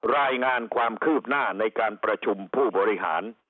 รายงานความคืบหน้าในการประชุมผู้บริหาร